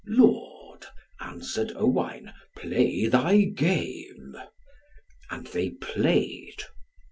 "Lord," answered Owain, "play thy game." And they played.